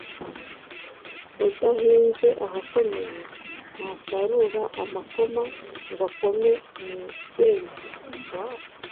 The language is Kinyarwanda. Udahinze ahakomeye, ntasarura amakoma ngo akome mu Benzi